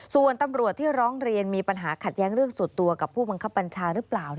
ส่วนตำรวจที่ร้องเรียนมีปัญหาขัดแย้งเรื่องส่วนตัวกับผู้บังคับบัญชาหรือเปล่า